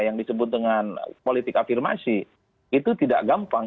yang disebut dengan politik afirmasi itu tidak gampang